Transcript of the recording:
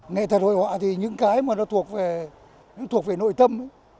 nghệ thuật hội họa thì những cái mà nó thuộc về nội tâm